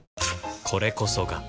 これこそが